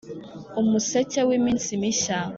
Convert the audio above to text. umuseke w'iminsi mishya.